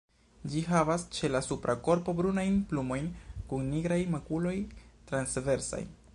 Ĝi havas ĉe la supra korpo brunajn plumojn kun nigraj makuloj transversaj.